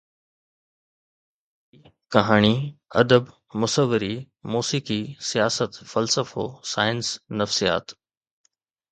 اردو شاعري، ڪهاڻي، ادب، مصوري، موسيقي، سياست، فلسفو، سائنس، نفسيات